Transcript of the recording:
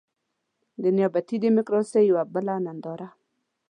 د نيابتي ډيموکراسۍ يوه بله ننداره.